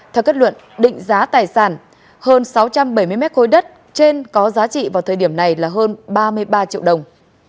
theo kết luận định giá tài sản hơn sáu trăm bảy mươi mét khối đất trên có giá trị vào thời điểm này là hơn ba mươi ba triệu đồng